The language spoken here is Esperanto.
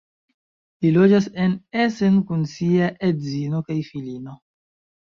Li loĝas en Essen kun sia edzino kaj filino.